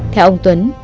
theo ông tuấn